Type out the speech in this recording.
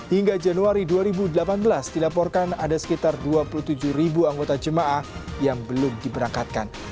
hingga januari dua ribu delapan belas dilaporkan ada sekitar dua puluh tujuh ribu anggota jemaah yang belum diberangkatkan